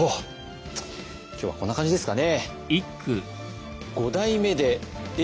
今日はこんな感じですかね。